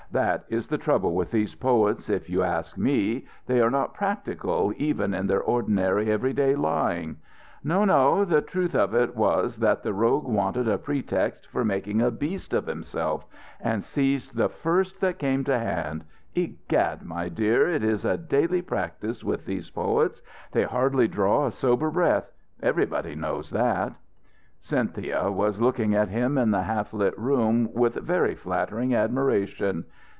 That is the trouble with these poets, if you ask me: they are not practical even in their ordinary, everyday lying. No, no, the truth of it was that the rogue wanted a pretext for making a beast of himself, and seized the first that came to hand. Egad, my dear, it is a daily practice with these poets. They hardly draw a sober breath. Everybody knows that." Cynthia was looking at him in the half lit room with very flattering admiration....